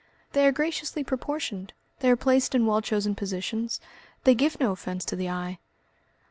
"They are graciously proportioned, they are placed in well chosen positions; they give no offence to the eye."